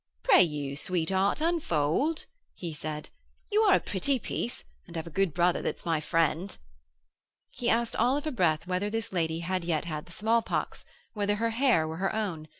'Pray, you, sweetheart, unfold,' he said. 'You are a pretty piece, and have a good brother that's my friend.' He asked all of a breath whether this lady had yet had the small pox? whether her hair were her own?